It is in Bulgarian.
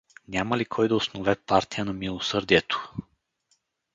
Няма ли кой да основе партия на милосърдието?